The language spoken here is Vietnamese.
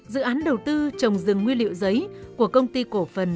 dự án đầu tư trồng rừng nguyên liệu giấy của công ty cổ phần